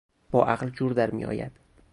با عقل جور در میآید.